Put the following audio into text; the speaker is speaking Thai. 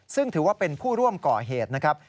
ซึ่งถือว่าเป็นผู้ร่วมก่อเหตุนะครับ